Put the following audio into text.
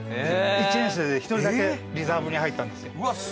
１年生で１人だけリザーブに入ったんですよ。